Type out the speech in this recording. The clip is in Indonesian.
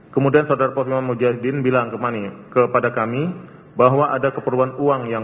kemudian saudara posma mujahidin bilang kepada kami bahwa ada keperluan uang yang